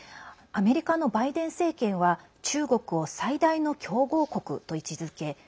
アメリカのバイデン政権は中国を最大の競合国と位置づけ